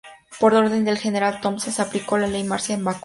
Por orden del General Thomson, se aplicó la ley marcial en Bakú.